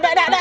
dap dap dap